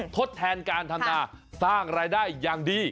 ทดแทนการทำนาสร้างรายได้อย่างดี